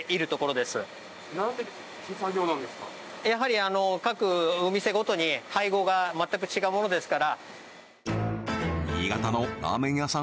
やはり各お店ごとに配合が全く違うものですから